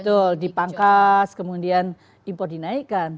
betul dipangkas kemudian impor dinaikkan